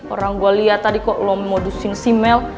orang gue liat tadi kok lo modusin si mel